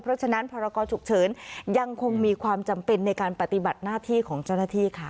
เพราะฉะนั้นพรกรฉุกเฉินยังคงมีความจำเป็นในการปฏิบัติหน้าที่ของเจ้าหน้าที่ค่ะ